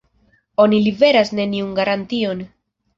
Oni liveras neniun garantion.